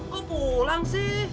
gua pulang sih